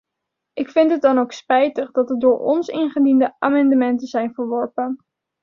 Ik vind het dan ook spijtig dat de door ons ingediende amendementen zijn verworpen.